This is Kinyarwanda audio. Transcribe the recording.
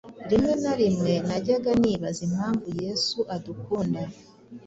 Rimwe na rimwe najyaga nibaza impamvu yesu adukunda